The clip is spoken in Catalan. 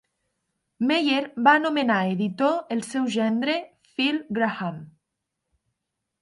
Meyer va anomenar editor el seu gendre, Phil Graham.